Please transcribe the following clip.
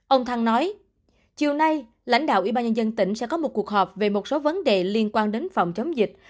ông thăng nói chiều nay lãnh đạo ủy ban nhân dân tỉnh sẽ có một cuộc họp về một số vấn đề liên quan đến phòng chống dịch